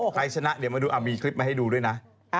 ใครชนะเดี๋ยวมาดูมีคลิปมาให้ดูด้วยนะ